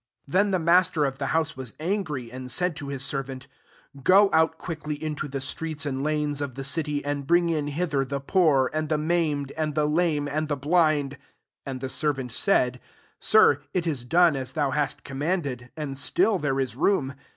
'* Then the master of 1^ house was angry, and said .|M his servant, ^ Go out quidi|||| into the streets and lanes of JSJjj city, and bring in hither dMI poor, and the maimed, and 4|# lame, and the blind.' 22 rtj||_ the servant said, ' Sir, it ia * as thou hast commanded* still there is room.'